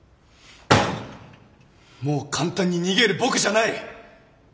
もう簡単に逃げる僕じゃない。